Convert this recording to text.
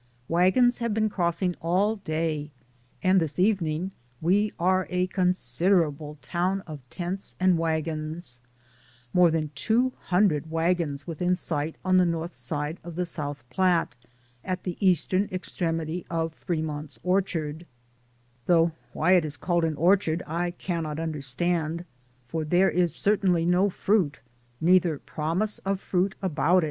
Wagons have been crossing all day, and this evening we are a considerable town of tents and wagons ; more than two hundred wagons within sight on the north side of the South Platte, at the eastern extremity of Fre mont's Orchard — though why it is called an orchard I cannot understand, for there is cer tainly no fruit, neither promise of fruit about 122 DAYS ON THE ROAD.